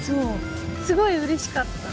すごいうれしかった。